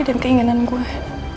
dan keinginan gue